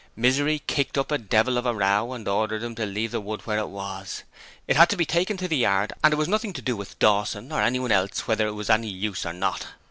Misery kicked up a devil of a row and ordered him to leave the wood where it was: it had to be taken to the yard, and it was nothing to do with Dawson or anyone else whether it was any use or not!